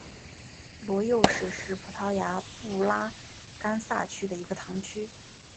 罗尤什是葡萄牙布拉干萨区的一个堂区。